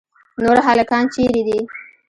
نور هلکان چیرې دي.